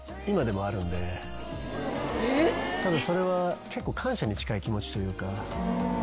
それは結構感謝に近い気持ちというか。